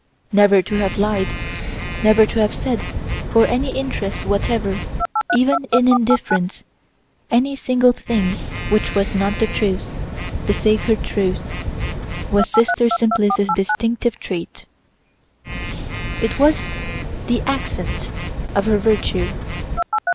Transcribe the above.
Never to have lied, never to have said, for any interest whatever, even in indifference, any single thing which was not the truth, the sacred truth, was Sister Simplice's distinctive trait; it was the accent of her virtue.